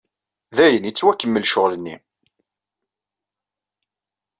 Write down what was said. Dayen ittwakemmel ccƔel-nni.